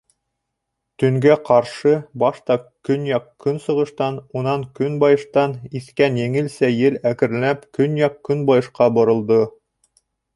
Төнгә ҡаршы башта көньяҡ-көнсығыштан, унан көнбайыштан иҫкән еңелсә ел әкренләп көньяҡ-көнбайышҡа боролдо.